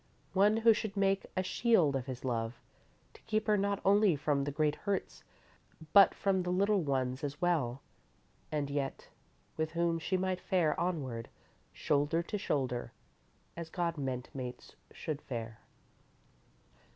One who should make a shield of his love, to keep her not only from the great hurts but from the little ones as well, and yet with whom she might fare onward, shoulder to shoulder, as God meant mates should fare."